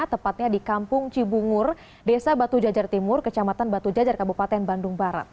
tepatnya di kampung cibungur desa batu jajar timur kecamatan batu jajar kabupaten bandung barat